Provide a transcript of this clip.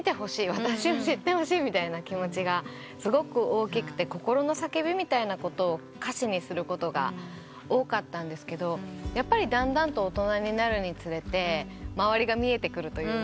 私を知ってほしい」みたいな気持ちがすごく大きくて心の叫びみたいなことを歌詞にすることが多かったんですけどやっぱりだんだんと大人になるにつれて周りが見えてくるというか。